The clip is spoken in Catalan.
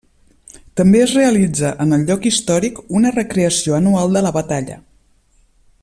També es realitza en el lloc històric una recreació anual de la batalla.